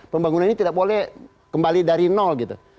pembangunan ini tidak boleh kembali dari nol gitu